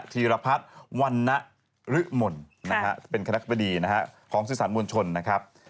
ธีรพัฒน์วันนริมล์เป็นคณะบดีของสินสารมวลชนนะครับ